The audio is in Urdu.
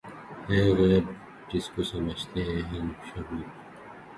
ہے غیب غیب‘ جس کو سمجھتے ہیں ہم شہود